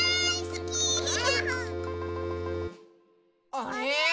あれ？